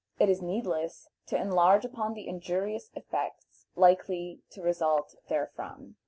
It is needless to enlarge upon the injurious effects likely to result therefrom.